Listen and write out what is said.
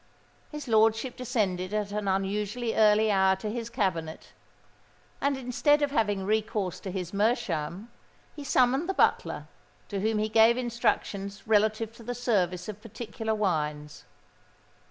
His lordship descended at an unusually early hour to his cabinet, and, instead of having recourse to his meerschaum, he summoned the butler, to whom he gave instructions relative to the service of particular wines.